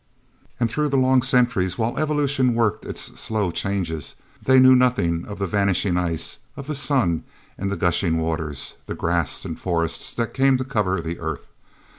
And through the long centuries, while evolution worked its slow changes, they knew nothing of the vanishing ice, of the sun and the gushing waters, the grass and forests that came to cover the earth.